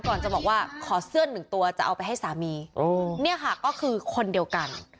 ก่อนจะบอกว่าขอเสื้อหนึ่งตัวจะเอาไปให้สามีเนี่ยค่ะก็คือคนเดียวกัน